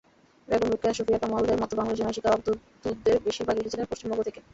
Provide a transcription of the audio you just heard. বেগম রোকেয়া, সুফিয়া কামালদের মতো বাংলাদেশে নারীশিক্ষার অগ্রদূতদের বেশির ভাগ এসেছিলেন পশ্চিমবঙ্গ থেকে।